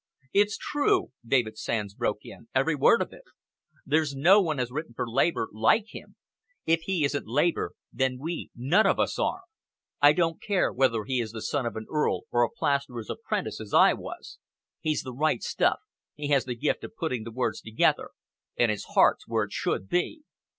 "It's true," David Sands broke in, "every word of it. There's no one has written for Labour like him. If he isn't Labour, then we none of us are. I don't care whether he is the son of an earl, or a plasterer's apprentice, as I was. He's the right stuff, he has the gift of putting the words together, and his heart's where it should be."